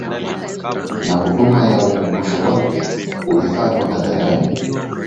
Na huduma ya ukumbusho wake uliofanywa hadharani